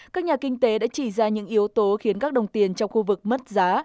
các nhà kinh tế đã chỉ ra những yếu tố khiến các đồng tiền trong khu vực mất giá